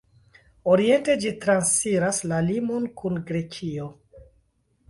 Oriente ĝi transiras la limon kun Grekio.